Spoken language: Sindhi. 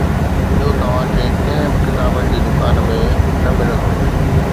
اهو توهان کي ڪنهن به ڪتابن جي دڪان ۾ نه ملندو.